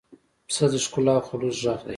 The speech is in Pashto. پسه د ښکلا او خلوص غږ دی.